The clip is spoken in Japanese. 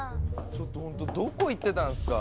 ちょっとほんとどこ行ってたんすか。